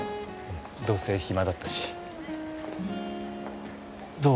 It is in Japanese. どうせ暇だったしどう？